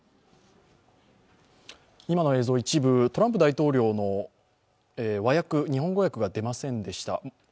今の映像、一部、トランプ大統領の和訳、日本語訳が出ませんでした。